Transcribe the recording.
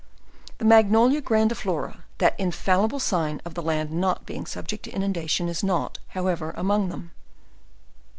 The magnolia grandiflora, that infallible sign of the land not being subject to inundation, is not, however, among them.